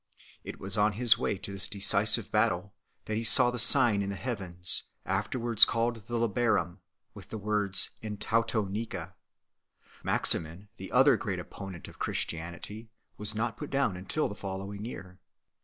It was on his way to this decisive battle that he saw the sign in the heavens (), afterwards called the Labarum 1 , with the words TOVTW vUa. Maximin, the other great opponent of Christianity, was not put down until the following year.